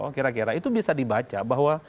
kira kira itu bisa dibaca bahwa